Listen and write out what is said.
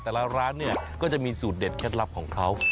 แต่ละร้านก็จะมีสูตรเด็ดแค่ลักษณ์ของเขา